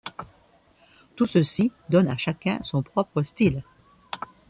Tout ceci donne à chacun son propre style.